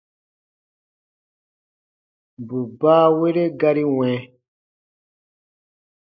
Bù baawere gari wɛ̃.